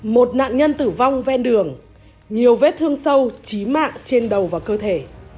một nạn nhân tử vong ven đường nhiều vết thương sâu trí mạng trên đầu và cơ thể